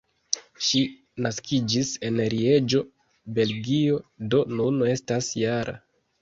Ŝi naskiĝis en Lieĝo, Belgio, do nun estas -jara.